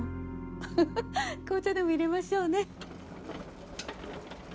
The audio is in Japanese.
フフフ紅茶でも入れましょうね。